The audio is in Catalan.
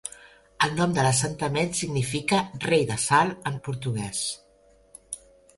El nom de l'assentament significa "Rei de Sal" en portuguès.